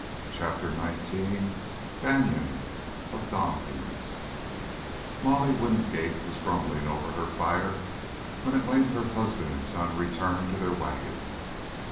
CHAPTER XIX BANION OF DONIPHAN'S Molly Wingate was grumbing over her fire when at length her husband and son returned to their wagon.